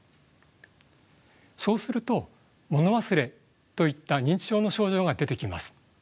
そうするともの忘れといった認知症の症状が出てきます。